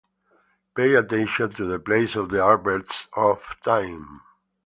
Pay attention to the place of the adverbs of time.